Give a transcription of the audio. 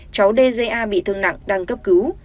cháu dga bị thương nặng đang cấp cứu